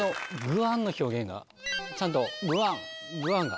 ちゃんとグワングワンが。